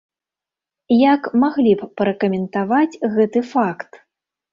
Як маглі б пракаментаваць гэты факт?